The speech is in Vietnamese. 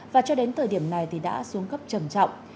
và cho đến thời điểm này thì đã xuống cấp trầm trọng